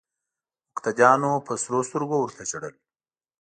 مقتدیانو په سرو سترګو ورته ژړل.